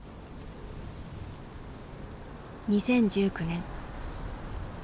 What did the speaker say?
２０１９年。